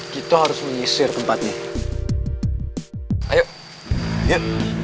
kita harus mengisir tempatnya